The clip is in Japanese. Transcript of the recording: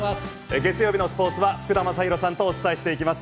月曜日のスポーツは福田真大さんとお伝えしていきます。